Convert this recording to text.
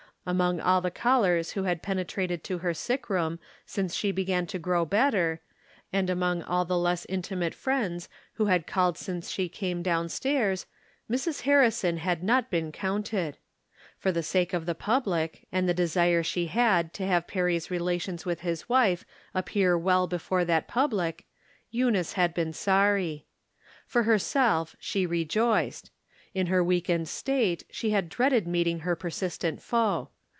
Among all the callers who had penetrated to her sick room since she began to grow better, and among all the less intimate friends who had called since she came down stairs, Mrs. Harrison had not been counted. For the sake of the pub lic, and the desire she had to have Perry's rela tions with liis wife appear weU before that pub lic, Eunice had been sorry. For herself she re joiced. In her weakened state she had dreaded meeting her persistent foe.